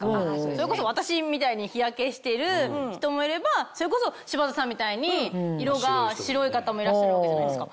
それこそ私みたいに日焼けしてる人もいればそれこそ柴田さんみたいに色が白い方もいらっしゃるわけじゃないですか。